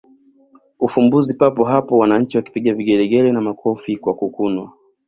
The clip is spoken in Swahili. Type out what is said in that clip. ufumbuzi papo hapo wananchi wakipiga vigelegele na makofi kwa kukunwa